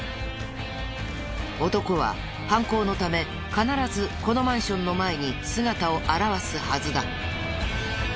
男は犯行のため必ずこのマンションの前に姿を現すはずだ。